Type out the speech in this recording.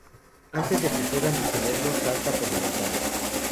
Antes de que puedan detenerlo, salta por la ventana.